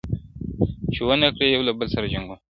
چي ونه کړي یو له بل سره جنګونه؛